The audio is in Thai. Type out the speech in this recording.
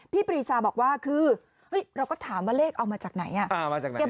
ปรีชาบอกว่าคือเราก็ถามว่าเลขเอามาจากไหน